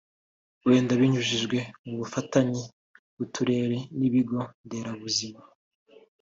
wenda binyujijwe mu bufatanye bw’uturere n’ibigo nderabuzima